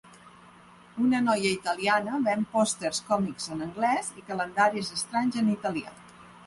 Una noia italiana ven pòsters còmics en anglès i calendaris estranys en italià.